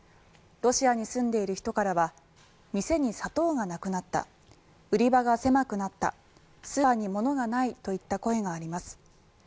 ロシアに住んでいる人からは店に砂糖がなくなった売り場が狭くなったスーパーに物がないといった声があります。